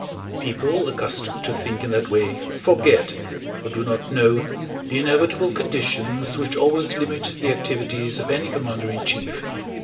People accustomed to think in that way forget, or do not know, the inevitable conditions which always limit the activities of any commander in chief.